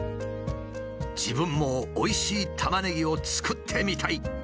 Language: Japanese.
「自分もおいしいタマネギを作ってみたい！」。